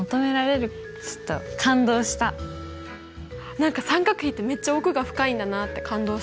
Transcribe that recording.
何か三角比ってめっちゃ奥が深いんだなって感動した。